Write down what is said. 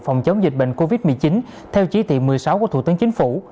phòng chống dịch bệnh covid một mươi chín theo chỉ thị một mươi sáu của thủ tướng chính phủ